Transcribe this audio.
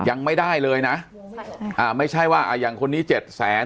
ยังไม่ได้เลยนะอ่าไม่ใช่ว่าอ่าอย่างคนนี้เจ็ดแสน